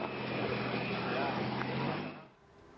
dan jawa barat